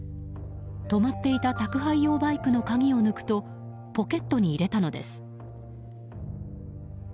止まっていた宅配用バイクの鍵を抜くとポケットに入れたのです。